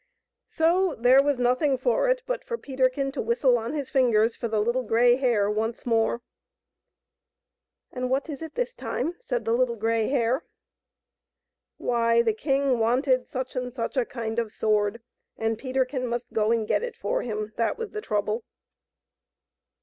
So there was nothing for it but for Peterkin to whistle on his fingers for the Little Grey Hare once more. " And what is it this time?" said the Little Grey Hare. Why, the king wanted such and such a kind of sword, and Peterkin must go and get it for him ; that was the trouble.